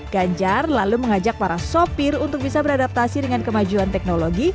ganjar lalu mengajak para sopir untuk bisa beradaptasi dengan kemajuan teknologi